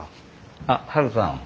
あっハルさん。